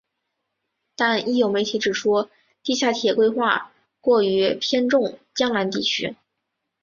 但亦有媒体指出地下铁规划过于偏重江南地区。